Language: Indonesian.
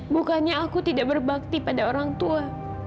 bukannya aku tidak berbakti pada orang tua